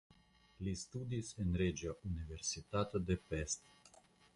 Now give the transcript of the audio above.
Li studis en Reĝa Universitato de Pest.